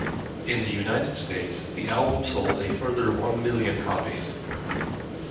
In the United States, the album sold a further one million copies.